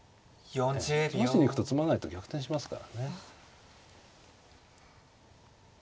詰ましに行くと詰まないと逆転しますからね。